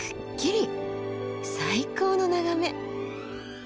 最高の眺め！